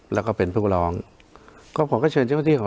แล้วก็เป็นพืชภูมิกลอง